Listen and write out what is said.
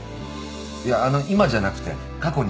いやあの今じゃなくて過去にです